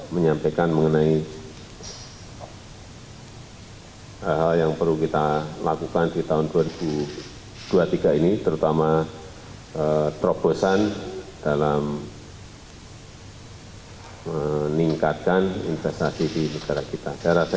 meningkatkan investasi di negara kita